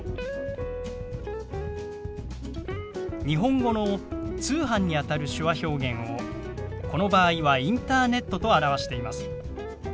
日本語の「通販」にあたる手話表現をこの場合は「インターネット」と表しています。